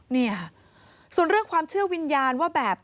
เนี่ยส่วนเรื่องความเชื่อวิญญาณว่าแบบ